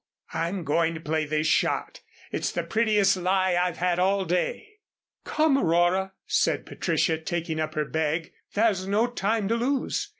"I'm going to play this shot. It's the prettiest lie I've had all day." "Come, Aurora," said Patricia, taking up her bag. "There's no time to lose.